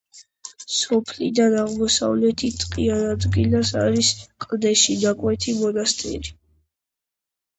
სოფლიდან აღმოსავლეთით ტყიან ადგილას არის კლდეში ნაკვეთი მონასტერი.